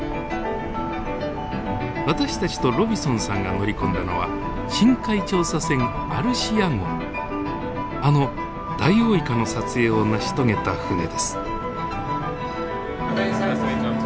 私たちとロビソンさんが乗り込んだのはあのダイオウイカの撮影を成し遂げた船です。